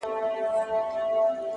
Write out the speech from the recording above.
پوهه د وېرې تیاره کموي!.